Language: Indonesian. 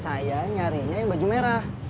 saya nyarinya yang baju merah